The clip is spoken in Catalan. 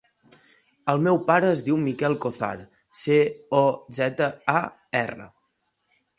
El meu pare es diu Miquel Cozar: ce, o, zeta, a, erra.